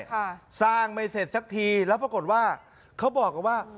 ค่ะสร้างไม่เสร็จสักทีแล้วปรากฏว่าเขาบอกกันว่า